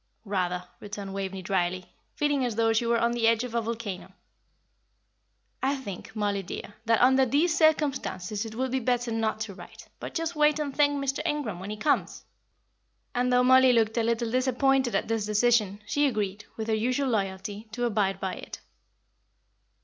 "Rather," returned Waveney, drily, feeling as though she were on the edge of a volcano. "I think, Mollie dear, that under these circumstances it would be better not to write, but just wait and thank Mr. Ingram when he comes." And though Mollie looked a little disappointed at this decision, she agreed, with her usual loyalty, to abide by it.